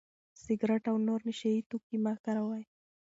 سګرټ او نور نشه يي توکي مه کاروئ.